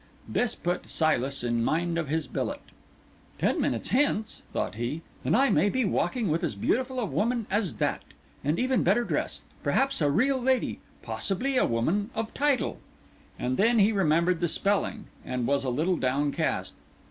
This put Silas in mind of his billet. "Ten minutes hence," thought he, "and I may be walking with as beautiful a woman as that, and even better dressed—perhaps a real lady, possibly a woman or title." And then he remembered the spelling, and was a little downcast.